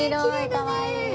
かわいい。